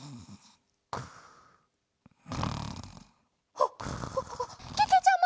あっけけちゃま！